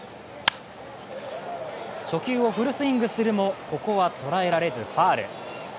初球をフルスイングするもここはとらえられずファウル。